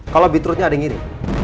kalau beatrutnya ada yang ini